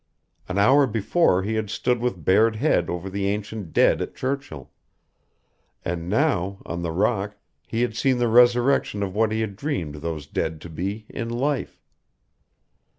An hour before he had stood with bared head over the ancient dead at Churchill, and now, on the rock, he had seen the resurrection of what he had dreamed those dead to be in life.